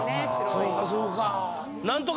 そうかそうか。